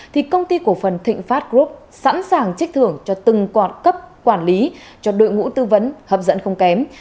thì công ty cổ phần thịnh pháp group sẵn sàng trích thưởng cho từng quạt cấp quản lý cho đội ngũ tư vấn hấp dẫn không kém